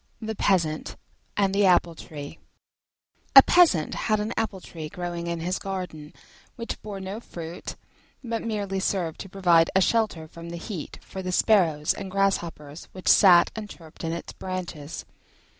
THE PEASANT AND THE APPLE TREE A Peasant had an Apple tree growing in his garden, which bore no fruit, but merely served to provide a shelter from the heat for the sparrows and grasshoppers which sat and chirped in its branches.